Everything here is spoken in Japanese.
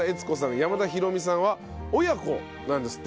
山田博美さんは親子なんですって。